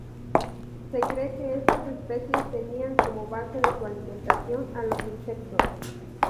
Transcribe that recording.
Se cree que estas especies tenían como base de su alimentación a los insectos.